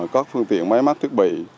có phương tiện máy mắt thức bị